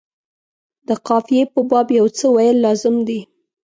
د قافیې په باب یو څه ویل لازم دي.